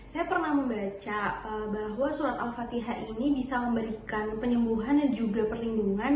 saya pernah membaca bahwa surat al fatihah ini bisa memberikan penyembuhan dan juga perlindungan